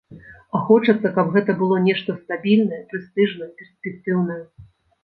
А хочацца, каб гэта было нешта стабільнае, прэстыжнае, перспектыўнае.